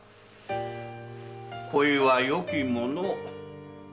恋はよきもの。